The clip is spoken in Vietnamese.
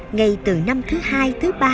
ngay từ năm thứ hai thứ ba